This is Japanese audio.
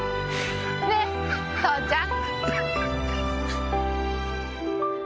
ねぇ父ちゃん！